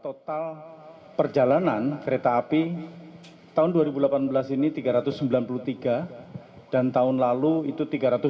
total perjalanan kereta api tahun dua ribu delapan belas ini tiga ratus sembilan puluh tiga dan tahun lalu itu tiga ratus tujuh puluh